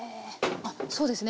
あっそうですね。